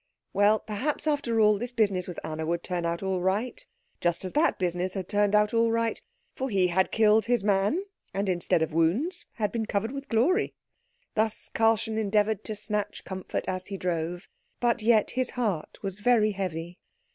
Well, perhaps after all, this business with Anna would turn out all right, just as that business had turned out all right; for he had killed his man, and, instead of wounds, had been covered with glory. Thus Karlchen endeavoured to snatch comfort as he drove, but yet his heart was very heavy.